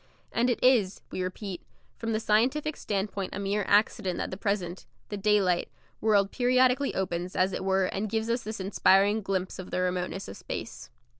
And it is, we repeat, from the scientific standpoint a mere accident that the present the daylight world periodically opens, as it were, and gives us this inspiring glimpse of the remoteness of space.